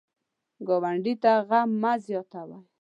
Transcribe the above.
ګاونډي ته غم مه زیاتوئ